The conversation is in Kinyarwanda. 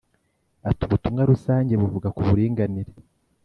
Ati “Ubutumwa rusange buvuga ku buringanire